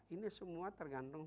ini semua tergantung